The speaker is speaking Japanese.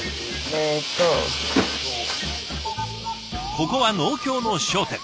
ここは農協の商店。